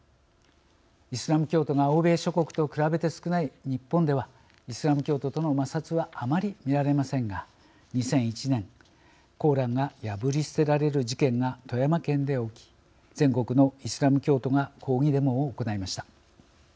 イスラム教徒が欧米諸国と比べて少ない日本ではイスラム教徒との摩擦はあまり見られませんが２００１年「コーラン」が破り捨てられる事件が富山県で起き全国のイスラム教徒が抗議デモを行いました。